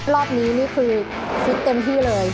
รอบนี้นี่คือฟิตเต็มที่เลย